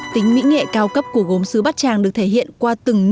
tính mỹ nghệ cao cấp của gồm sư bát tràng được thể hiện qua từng nhiệm vụ